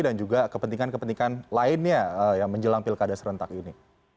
dan juga kepentingan kepentingan lainnya yang menjelang pilkada serentak ini